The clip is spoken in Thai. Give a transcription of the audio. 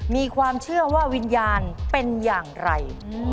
มีความเชื่อว่าวิญญาณเป็นอย่างไร